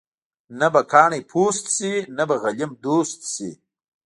نه به کاڼې پوست شي، نه به غلیم دوست شي.